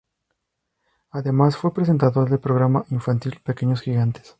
Además fue presentador del programa infantil "Pequeños Gigantes".